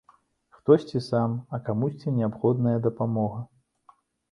Хтосьці сам, а камусьці неабходная дапамога.